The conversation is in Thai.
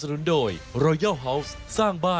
สวัสดีค่ะต้องรับคุณผู้ชมเข้าสู่ชูเวสตีศาสตร์หน้า